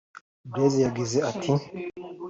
Blaise yagize ati